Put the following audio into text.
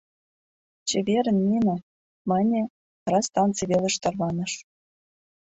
— Чеверын, Нина! — мане, вара станций велыш тарваныш.